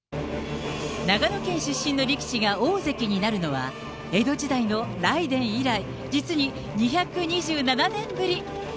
長野県出身の力士が大関になるのは、江戸時代の雷電以来、実に２２７年ぶり。